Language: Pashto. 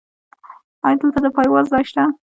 ایا دلته د پایواز ځای شته؟